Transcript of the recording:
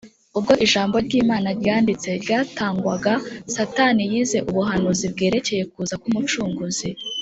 . Ubwo ijambo ry’Imana ryanditse ryatangwaga, Satani yize ubuhanuzi bwerekeye kuza k’Umucunguzi.